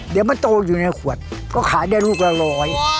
เดี๋ยวมันโตอยู่ในขวดก็ขายได้ลูกละร้อย